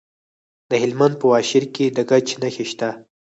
د هلمند په واشیر کې د ګچ نښې شته.